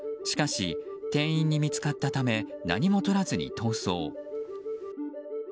しかし、店員に見つかったため何も取らずに逃走。